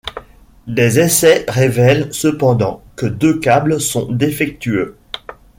Des essais révèlent cependant que deux câbles sont défectueux.